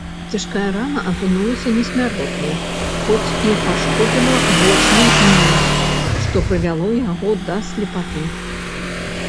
Цяжкая рана апынулася несмяротнай, хоць і пашкодзіла вочны нерв, што прывяло яго да слепаты.